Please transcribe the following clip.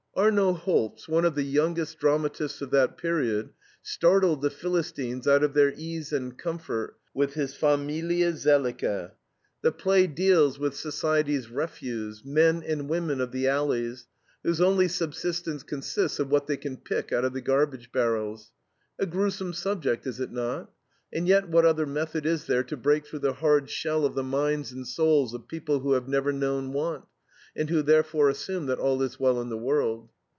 Arno Holz, one of the youngest dramatists of that period, startled the Philistines out of their ease and comfort with his FAMILIE SELICKE. The play deals with society's refuse, men and women of the alleys, whose only subsistence consists of what they can pick out of the garbage barrels. A gruesome subject, is it not? And yet what other method is there to break through the hard shell of the minds and souls of people who have never known want, and who therefore assume that all is well in the world?